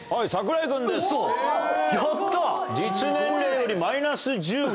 実年齢よりマイナス１５。